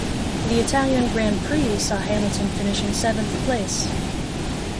The Italian Grand Prix saw Hamilton finish in seventh place.